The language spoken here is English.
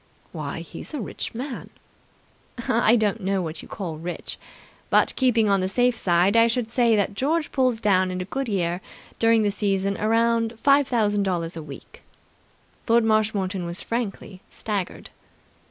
"Why, he's a rich man!" "I don't know what you call rich, but, keeping on the safe side, I should say that George pulls down in a good year, during the season around five thousand dollars a week." Lord Marshmoreton was frankly staggered.